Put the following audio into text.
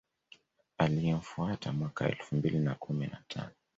Aliyemfuata mwaka elfu mbili na kumi na tano